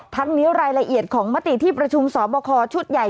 ทั้งนี้รายละเอียดของมติที่ประชุมสอบคอชุดใหญ่